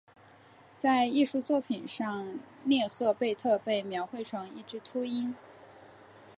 在艺术作品上涅赫贝特被描绘成一只秃鹰。